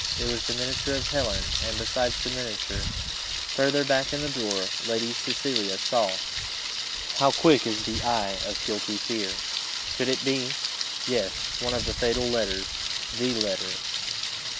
It was the miniature of Helen, and besides the miniature, further back in the drawer, Lady Cecilia saw how quick is the eye of guilty fear! could it be? yes one of the fatal letters the letter!